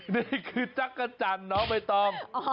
นี่คือจักรจันทร์น้องใบตอง